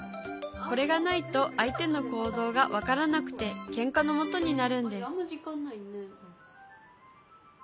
これがないと相手の行動が分からなくてケンカのもとになるんです